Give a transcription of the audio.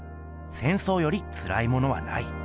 戦争よりつらいものはない」。